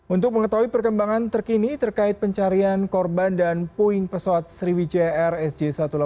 untuk mengetahui perkembangan terkini terkait pencarian korban dan poin pesawat sriwijaya rsj satu ratus delapan puluh dua